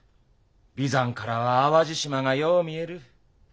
眉山からは淡路島がよう見える。